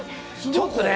ちょっとね。